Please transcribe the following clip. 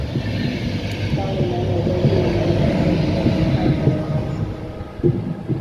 将与南美洲第五名争夺一个决赛周出线席位。